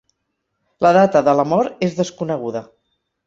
La data de la mort és desconeguda.